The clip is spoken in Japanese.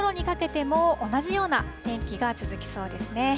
昼ごろにかけても同じような天気が続きそうですね。